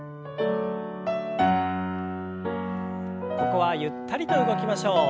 ここはゆったりと動きましょう。